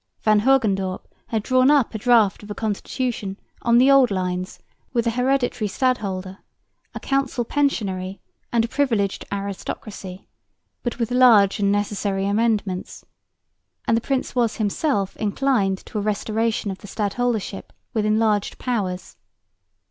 Van Hogendorp had drawn up a draft of a constitution on the old lines with an hereditary stadholder, a council pensionary and a privileged aristocracy, but with large and necessary amendments, and the prince was himself inclined to a restoration of the stadholdership with enlarged powers.